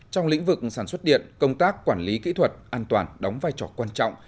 trong lĩnh vực sản xuất điện công tác quản lý kỹ thuật an toàn đóng vai trò quan trọng